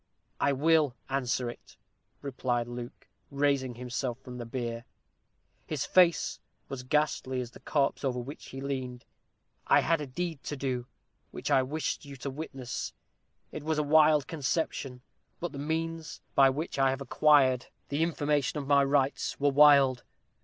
"I will answer it," replied Luke, raising himself from the bier. His face was ghastly as the corpse over which he leaned. "I had a deed to do, which I wished you to witness. It was a wild conception. But the means by which I have acquired the information of my rights were wild.